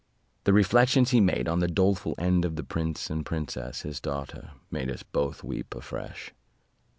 The reflections he made on the doleful end of the prince and princess his daughter made us both weep afresh.